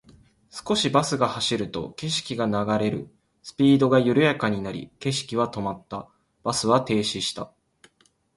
少しバスが走ると、景色が流れるスピードが緩やかになり、景色は止まった。バスは停止した。